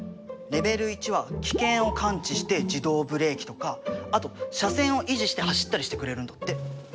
レベル１は危険を感知して自動ブレーキとかあと車線を維持して走ったりしてくれるんだって。